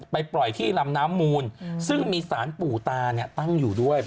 ไปปล่อยที่ลำน้ำมูลซึ่งมีสารปู่ตาเนี่ยตั้งอยู่ด้วย